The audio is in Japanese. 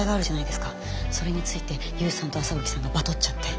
それについて勇さんと麻吹さんがバトっちゃって。